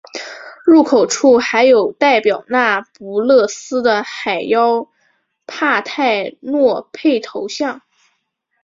入口处还有代表那不勒斯的海妖帕泰诺佩头像。